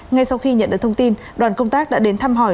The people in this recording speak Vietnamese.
ngay sau khi nhận được thông tin đoàn công tác đã đến thăm hỏi